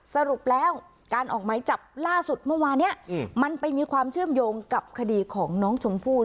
สรุปแล้วการออกไม้จับล่าสุดเมื่อวานนี้มันไปมีความเชื่อมโยงกับคดีของน้องชมพู่